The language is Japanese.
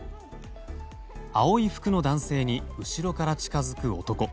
青い服の男性に後ろから近づく男。